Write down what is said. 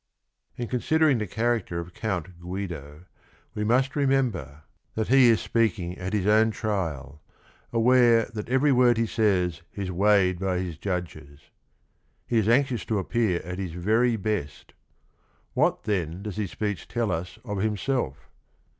" In considering the character of Count Guido, we must remember that he is speaking at his 72 THE RING AND THE BOOK own trial, aware that every word he says is weighed by his judges. He is anxious to appear at his very best. What, then, does his speech tell us of himself?